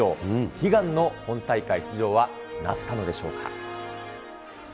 悲願の本大会出場はなったのでしょうか。